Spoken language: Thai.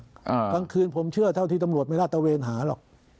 กลางคืนผมเชื่อเท่าที่ตำรวจไม่ลาดตะเวนหาหรอก